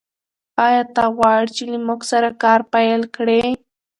ایا ته غواړې چې موږ سره کار پیل کړې؟